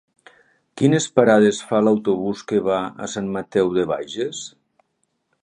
Quines parades fa l'autobús que va a Sant Mateu de Bages?